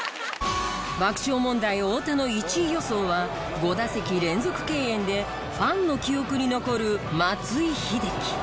爆笑問題太田の１位予想は５打席連続敬遠でファンの記憶に残る松井秀喜。